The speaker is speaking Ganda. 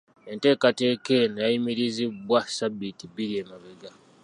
Enteekateeka eno yayimirizibwa ssabiiti bbiri emabega.